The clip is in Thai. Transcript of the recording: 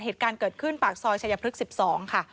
เหตุการณ์เกิดขึ้นปากซอยชายพลึก๑๒